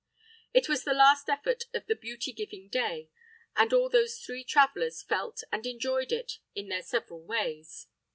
It was the last effort of the beauty giving day, and all those three travelers felt and enjoyed it in their several ways.